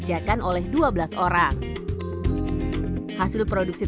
siapa yang merencanakan produknya